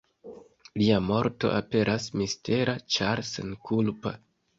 Lia morto aperas mistera ĉar senkulpa.